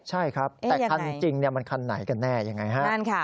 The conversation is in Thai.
ใช่ครับแต่คันจริงมันคันไหนกันแน่ยังไงฮะ